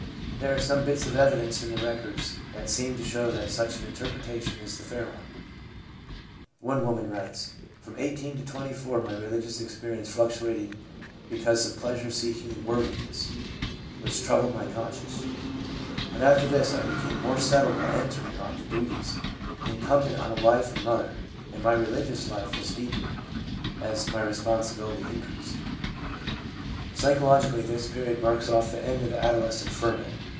There are some bits of evidence in the records that seem to show that such an interpretation is the fair one. One woman writes: 'From 18 to 24 my religious experience fluctuated because of pleasure seek ing and worldliness, which troubled my conscience. But after this I became more settled by entering on the duties incumbent on a wife and mother, and my religious life was deepened as my responsibility increased.' Psychologically, this period marks off the end of the adolescent ferment.